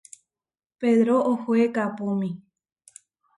Pedró ohoé kaʼpómi.